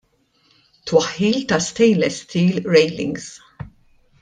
Twaħħil ta' stainless steel railings.